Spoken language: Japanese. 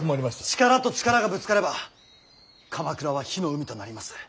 力と力がぶつかれば鎌倉は火の海となります。